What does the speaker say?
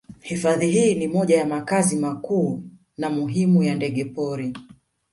Hifadhi hii ni moja ya makazi makuu na muhimu ya ndege pori